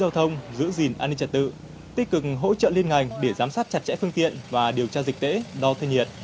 tích cực hỗ trợ liên ngành để giám sát chặt chẽ phương tiện và điều tra dịch tễ đo thay nhiệt